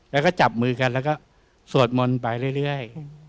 แล้วก็จับมือกันแล้วก็สวดมนต์ไปเรื่อย